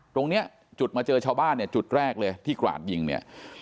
ตรงเนี้ยจุดมาเจอชาวบ้านเนี่ยจุดแรกเลยที่กราดยิงเนี่ย